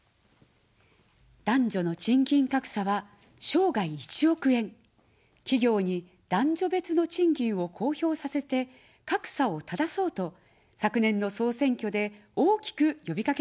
男女の賃金格差は生涯１億円、企業に男女別の賃金を公表させて、格差をただそうと昨年の総選挙で大きくよびかけました。